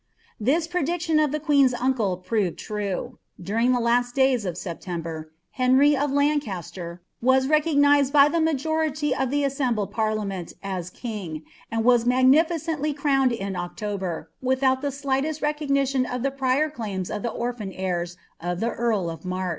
This prediction of the queen's uncle proved true. During llie last days of September, Henry of Lancasler was recognised by the mojorjiy of ihc assembled parliament as king, and was magnificently crowned in Ocioher, without ihe slightest lecoguilioii of ihe prior claims of iha orphan hciis of the earl of March.